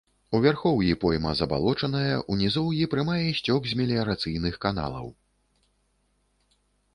У вярхоўі пойма забалочаная, у нізоўі прымае сцёк з меліярацыйных каналаў.